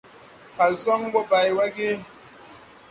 Kalson bo bay wa ge?